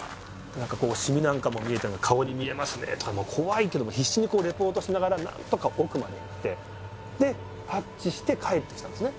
何かこうシミなんかも見えてるのを「顔に見えますねえ」とか怖いけども必死にリポートしながら何とか奥まで行ってでタッチして帰ってきたんですね